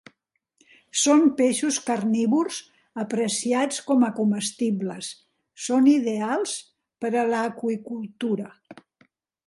Són peixos carnívors apreciats com a comestibles, són ideals per a l'aqüicultura.